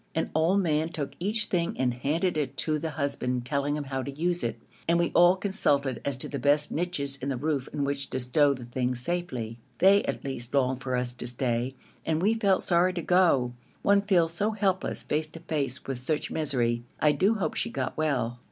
An old man took each thing and handed it to the husband, telling him how to use it, and we all consulted as to the best niches in the roof in which to stow the things safely. They, at least, longed for us to stay, and we felt sorry to go. One feels so helpless face to face with such misery. I do hope she got well.